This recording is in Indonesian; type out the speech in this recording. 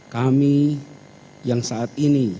kami yang saat ini